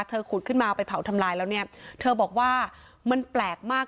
ขุดขึ้นมาไปเผาทำลายแล้วเนี่ยเธอบอกว่ามันแปลกมาก